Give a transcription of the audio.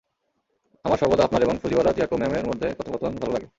আমার সর্বদা আপনার এবং ফুজিওয়ারা চিয়োকো ম্যামের মধ্যকার কথোপকথন ভালো লাগে।